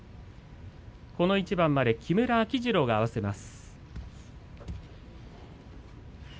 この一番まで木村秋治郎が合わせます。